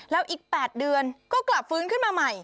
แล้วอีก๘เดือนก็กลับฟื้นขึ้นมาใหม่